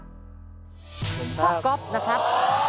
พ่อก๊อปนะครับ